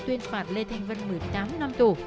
tuyên phạt lê thanh vân một mươi tám năm tù